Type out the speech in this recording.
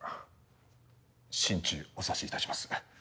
心中お察しいたします